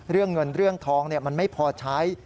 เรื่องเงินเรื่องทองมันไม่พอใช้